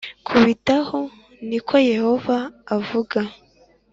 kubitaho ni ko Yehova avuga